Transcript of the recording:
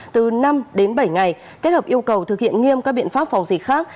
từ năm đến bảy ngày kết hợp yêu cầu thực hiện nghiêm các biện pháp phòng dịch khác